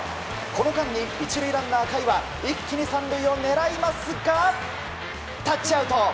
この間に１塁ランナー、甲斐は一気に３塁を狙いますがタッチアウト！